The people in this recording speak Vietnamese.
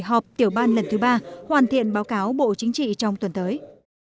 họp tiểu ban lần thứ ba hoàn thiện báo cáo bộ chính trị trong tuần tới